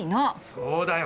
そうだよ。